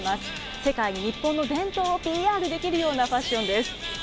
世界に日本の伝統をＰＲできるようなファッションです。